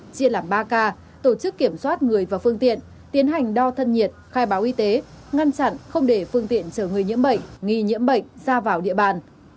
chia làm ba k tổ chức kiểm soát người và phương tiện tiến hành đo thân nhiệt khai báo y tế ngăn chặn không để phương tiện chở người nhiễm bệnh nghi nhiễm bệnh ra vào địa bàn